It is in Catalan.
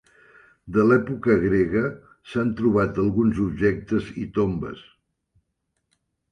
De l'època grega s'han trobat alguns objectes i tombes.